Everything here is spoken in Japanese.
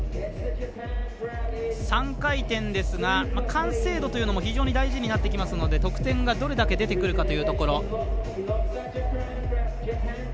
３回転ですが、完成度というのも非常に大事になってきますので得点がどれだけ出てくるかというところ。